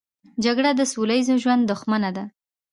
جګړه د سوله ییز ژوند دښمنه ده